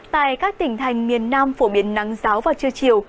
tại các tỉnh thành miền nam phổ biến nắng giáo vào trưa chiều